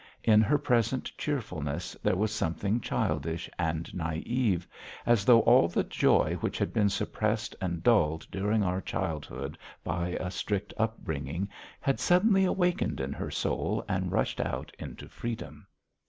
In her present cheerfulness there was something childish and naïve, as though all the joy which had been suppressed and dulled during our childhood by a strict upbringing, had suddenly awakened in her soul and rushed out into freedom.